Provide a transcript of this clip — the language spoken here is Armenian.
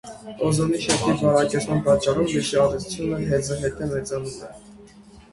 Օզոնի շերտի բարակեցման պատճառով լույսի ազդեցությունը հետզհետե մեծանում է։